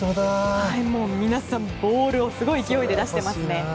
皆さんボールをすごい勢いで出してますね。